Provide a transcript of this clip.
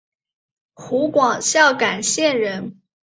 湖广孝感县人。